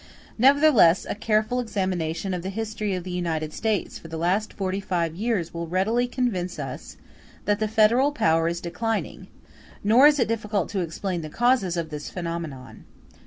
Nevertheless, a careful examination of the history of the United States for the last forty five years will readily convince us that the federal power is declining; nor is it difficult to explain the causes of this phenomenon.